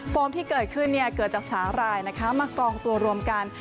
ที่เกิดขึ้นเกิดจากสาหร่ายมากองตัวรวมกัน